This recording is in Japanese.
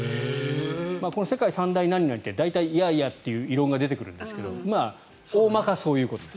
この世界三大何々って大体、いやいやって異論が出てくるんですが大まか、そういうことです。